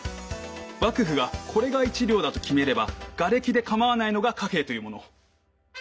幕府がこれが「１両」だと決めれば瓦礫で構わないのが貨幣というもの。